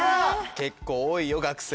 結構多いよ学生。